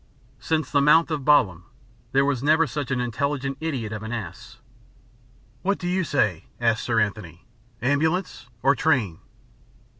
Since the mount of Balaam, there was never such an intelligent idiot of an ass. "What do you say?" asked Sir Anthony. "Ambulance or train?"